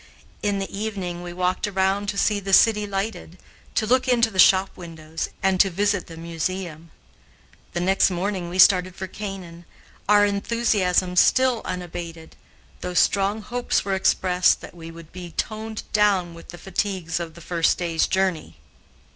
In the evening we walked around to see the city lighted, to look into the shop windows, and to visit the museum. The next morning we started for Canaan, our enthusiasm still unabated, though strong hopes were expressed that we would be toned down with the fatigues of the first day's journey.